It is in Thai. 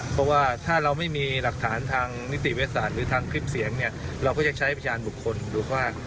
เพราะว่าถ้าเราไม่มีหลักฐานทางนิติเวศาสตร์หรือทางคลิปเสียงเนี่ยเราก็จะใช้พยานบุคคลดูว่า